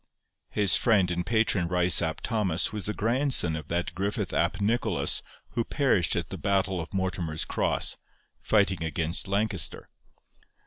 His friend and patron Ryce ap Thomas was the grandson of that Griffith ap Nicholas who perished at the battle of Mortimer's Cross, fighting against Lancaster.